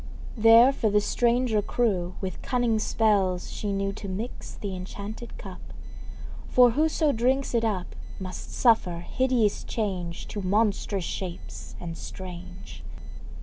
There for the stranger crew With cunning spells she knew To mix th' enchanted cup. For whoso drinks it up, Must suffer hideous change To monstrous shapes and strange.